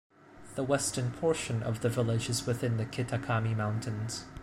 The western portion of the village is within the Kitakami Mountains.